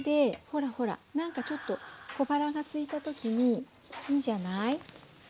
ほらほら何かちょっと小腹がすいた時にいいじゃない？